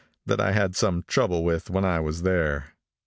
that I had some trouble with when I was there.